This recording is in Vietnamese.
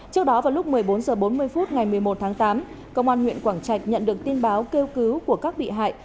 trước đó vào lúc một mươi bốn h bốn mươi phút ngày một mươi một tháng tám công an huyện quảng trạch nhận được tin báo kêu cứu của các bị hại